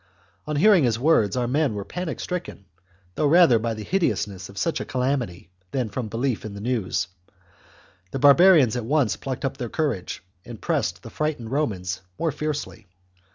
On hearing his words, our men were panic stricken, though rather by the hideousness of such a calamity than 234 THE JUGURTHINE WAR. CHAP from belief in the news. The barbarians at once plucked up their courage, and pressed the frightened Romans more fiercely.